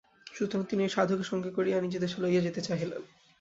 সুতরাং তিনি ঐ সাধুকে সঙ্গে করিয়া নিজ দেশে লইয়া যাইতে চাহিলেন।